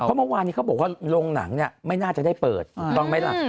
เพราะเมื่อวานนี้เขาบอกว่าโรงหนังเนี่ยไม่น่าจะได้เปิดถูกต้องไหมล่ะ